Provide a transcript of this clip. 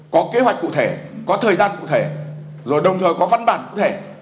có kế hoạch cụ thể có thời gian cụ thể rồi đồng thời có văn bản cụ thể